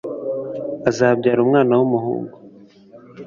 azabyara umwana wumuhungu